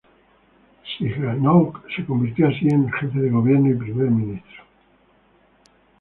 Sihanouk se convirtió así en jefe de Gobierno y primer ministro.